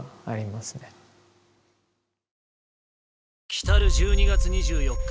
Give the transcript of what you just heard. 来たる１２月２４日